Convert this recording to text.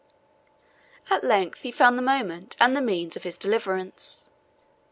At length he found the moment, and the means, of his deliverance.